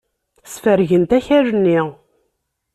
Sfergent akal-nni.